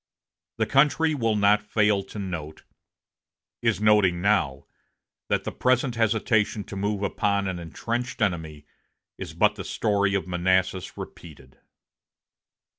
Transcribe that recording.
The country will not fail to note is noting now that the present hesitation to move upon an intrenched enemy is but the story of Manassas repeated."